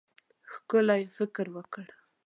ښکلی فکر وکړه.